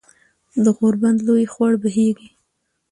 د غوربند لوے خوړ بهېږي